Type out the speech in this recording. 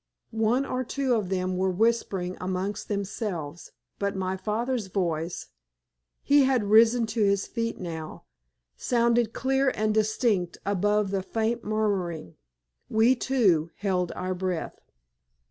One or two of them were whispering amongst themselves, but my father's voice he had risen to his feet now sounded clear and distinct above the faint murmuring we too, held our breath.